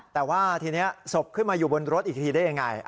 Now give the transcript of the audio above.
แต่ว่าทีนี้ศพขึ้นมาอยู่บนรถอีกทีได้ยังไง